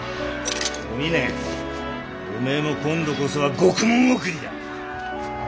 お峰おめえも今度こそは獄門送りだ。